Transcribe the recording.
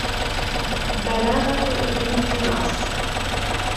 بلاغة ابن فراس